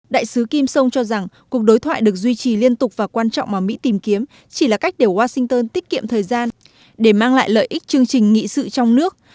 đại sứ kim song cho rằng cuộc đối thoại được duy trì liên tục và quan trọng mà mỹ tìm kiếm chỉ là cách để washington tiết kiệm thời gian để mang lại lợi ích chương trình nghị sự trong nước